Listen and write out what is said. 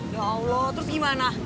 ya allah terus gimana